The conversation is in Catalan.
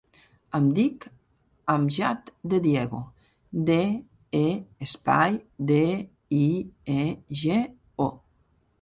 Em dic Amjad De Diego: de, e, espai, de, i, e, ge, o.